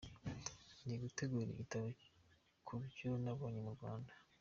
Ndi gutegura igitabo kubyo nabonye mu Rwanda.”